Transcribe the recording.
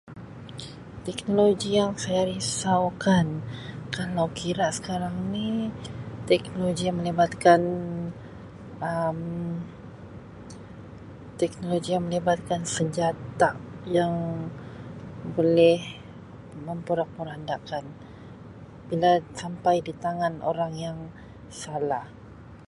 Teknologi yang saya risaukan kalau kira sekarang ni teknologi yang melibatkan Um teknologi yang melibatkan senjata yang boleh memporak-porandakan bila sampai di tangan orang yang salah.